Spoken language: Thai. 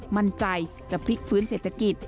มั่นใจจะพลิกฟื้นเศรษฐกิจ